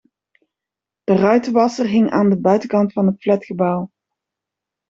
De ruitenwasser hing aan de buitenkant van het flatgebouw.